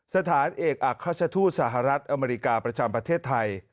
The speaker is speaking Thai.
สถานเอกอักษฎูสหรัฐอเมริกาประชัมประเทศไทย